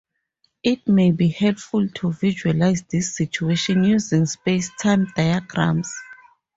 It may be helpful to visualize this situation using spacetime diagrams.